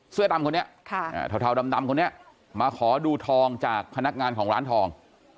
เสื้อดำคนนี้เทาดำคนนี้มาขอดูทองจากพนักงานของร้านทอง